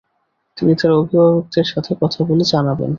তিনি তার অভিভাবকদের সাথে কথা বলে জানাবেন।